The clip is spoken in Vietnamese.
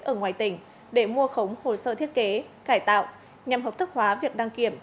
ở ngoài tỉnh để mua khống hồ sơ thiết kế cải tạo nhằm hợp thức hóa việc đăng kiểm